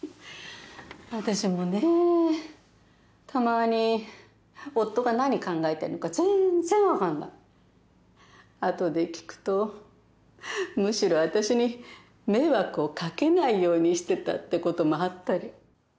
私もねたまに夫が何考えてんのか全然分かんない後で聞くとむしろ私に迷惑をかけないようにしてたってこともあったり